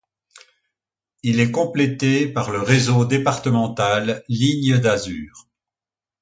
Il est complété par le réseau départemental Lignes d'azur.